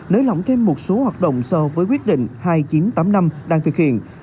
nới lỏng thêm một số hoạt động so với quyết định hai nghìn chín trăm tám mươi năm đang thực hiện